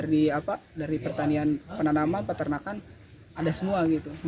dari pertanian penanaman peternakan ada semua gitu